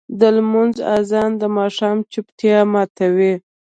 د لمونځ اذان د ماښام چوپتیا ماتوي.